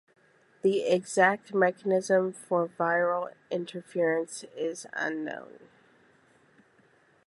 The exact mechanism for viral interference is unknown.